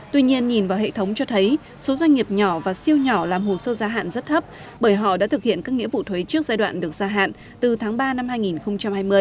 tuy nhiên nhìn vào hệ thống cho thấy số doanh nghiệp nhỏ và siêu nhỏ làm hồ sơ gia hạn rất thấp bởi họ đã thực hiện các nghĩa vụ thuế trước giai đoạn được gia hạn từ tháng ba năm hai nghìn hai mươi